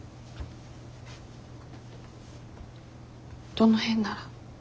どの辺なら？